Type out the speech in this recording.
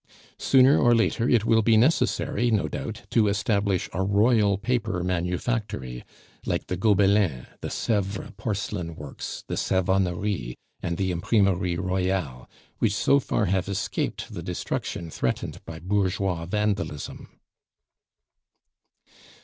Sooner or later it will be necessary, no doubt, to establish a Royal Paper Manufactory; like the Gobelins, the Sevres porcelain works, the Savonnerie, and the Imprimerie royale, which so far have escaped the destruction threatened by bourgeois vandalism.